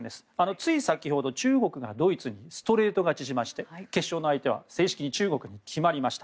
つい先ほど中国がドイツにストレート勝ちしまして決勝の相手は正式に中国に決まりました。